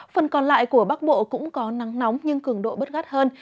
phần còn lại của bắc bộ cũng có nắng nóng nhưng cường độ bất gắt hơn